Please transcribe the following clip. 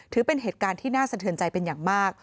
ถือเป็นเหตุการณ์น่าเสนอสนเตือนใจเป็นอย่างมาก